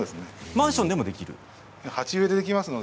マンションでもできますか。